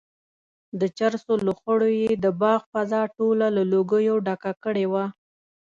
د چرسو لوخړو یې د باغ فضا ټوله له لوګیو ډکه کړې وه.